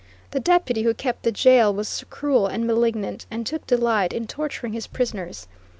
The deputy who kept the jail was cruel and malignant, and took delight in torturing his prisoners.